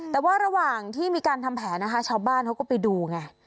แต่ว่าระหว่างที่มีการทำแผนนะคะชาวบ้านเขาก็ไปดูไง